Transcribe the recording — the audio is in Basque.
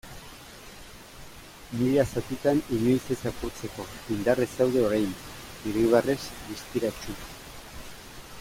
Mila zatitan inoiz ez apurtzeko, indarrez zaude orain, irribarrez distiratsu.